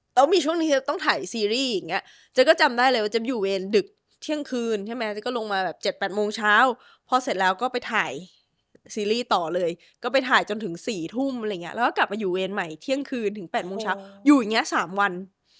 ต้องมีช่วงที่จะต้องถ่ายซีรีส์อย่างเงี้เจ๊ก็จำได้เลยว่าเจ๊อยู่เวรดึกเที่ยงคืนใช่ไหมเจ๊ก็ลงมาแบบ๗๘โมงเช้าพอเสร็จแล้วก็ไปถ่ายซีรีส์ต่อเลยก็ไปถ่ายจนถึง๔ทุ่มอะไรอย่างเงี้แล้วก็กลับมาอยู่เวรใหม่เที่ยงคืนถึง๘โมงเช้าอยู่อย่างเงี้๓วัน